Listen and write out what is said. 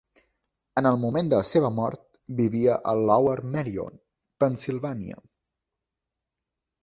En el moment de la seva mort, vivia a Lower Merion, Pennsilvània.